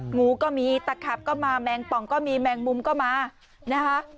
งูก็มีตะขับก็มาแมงป่องก็มีแมงมุมก็มานะคะ